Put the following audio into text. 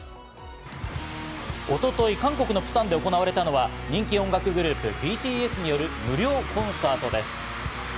一昨日、韓国のプサンで行われたのは人気音楽グループ・ＢＴＳによる無料コンサートです。